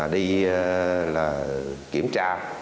đi kiểm tra